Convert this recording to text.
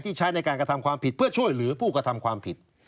ใช้ในการกระทำความผิดเพื่อช่วยเหลือผู้กระทำความผิด